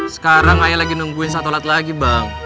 sekarang aji lagi nungguin satu lat lagi bang